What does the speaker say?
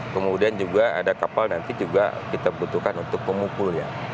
kemudian juga ada kapal nanti juga kita butuhkan untuk pemukul ya